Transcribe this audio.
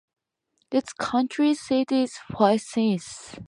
Its county seat is Forsyth.